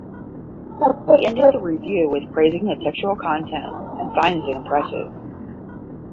He ended the review with praising the textual content and finds it impressive.